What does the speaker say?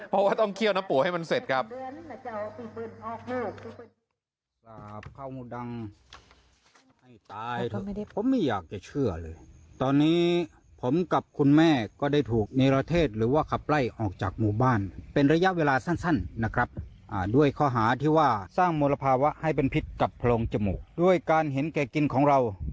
เพราะว่าต้องเคี่ยวน้ำโปะให้มันเสร็จครับ